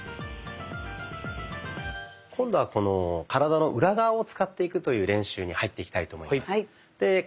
今度は体の裏側を使っていくという練習に入っていきたいと思います。